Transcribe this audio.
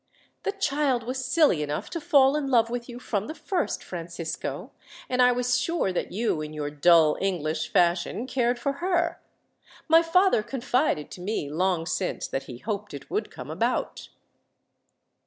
"The child was silly enough to fall in love with you from the first, Francisco, and I was sure that you, in your dull English fashion, cared for her. My father confided to me, long since, that he hoped it would come about."